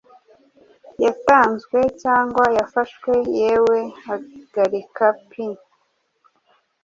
Yatanzwe cyangwa yafashwe yewe Hagarika pi